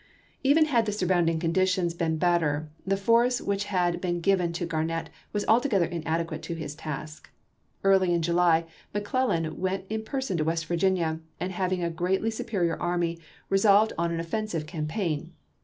Even had the suiTOunding conditions been bet ter, the force which had been given to Garnett was altogether inadequate to his task. Early in July, McClellan went in person to West Virginia, and having a greatly superior army, resolved on an offensive campaign.